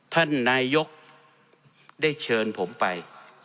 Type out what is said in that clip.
ท่านนายกรัฐมนตรีได้เชิญผมไป